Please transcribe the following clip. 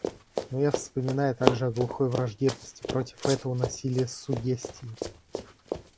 Но я вспоминаю также о глухой враждебности против этого насилия суггестии.